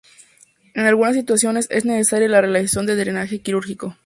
En algunas situaciones es necesaria la realización de drenaje quirúrgico